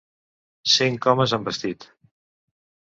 Cinc homes amb vestit.